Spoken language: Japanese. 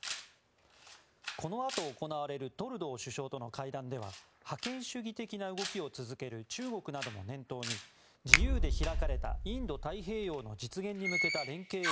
このあと行われるトルドー首相との会談では覇権主義的な動きを続ける中国などを念頭に自由で開かれたインド太平洋の実現に向けた連携を